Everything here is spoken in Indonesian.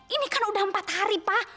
ini kan udah empat hari pak